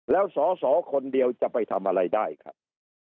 แล้วสอสอคนเดียวจะไปทำอะไรได้ครับ